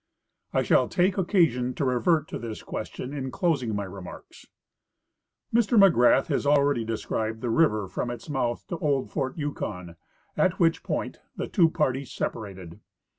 I shall take occasion to revert to this question in closing my re marks. Mr McGrath has already described the river from its mouth to old fort Yukon, at which point the two parties separated.